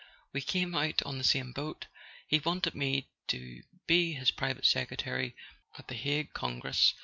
We came out on the same boat: he wanted me to be his private secretary at the Hague Congress.